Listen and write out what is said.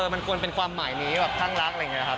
มันควรเป็นความหมายนี้แบบข้างรักอะไรอย่างนี้ครับ